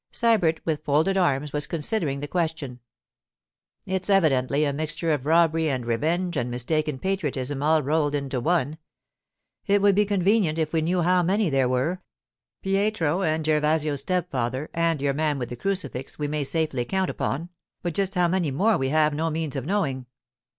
Sybert, with folded arms, was considering the question. 'It's evidently a mixture of robbery and revenge and mistaken patriotism all rolled into one. It would be convenient if we knew how many there were; Pietro and Gervasio's stepfather and your man with the crucifix we may safely count upon, but just how many more we have no means of knowing.